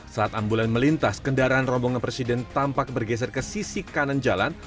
saat ambulans melintas kendaraan rombongan presiden tampak bergeser ke sisi kanan jalan